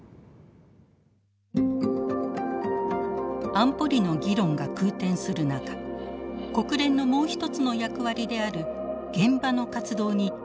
安保理の議論が空転する中国連のもうひとつの役割である現場の活動に深刻な影響が広がっています。